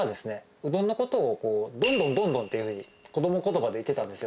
うどんのことを「どんどんどんどん」っていうふうに子ども言葉で言ってたんですよ。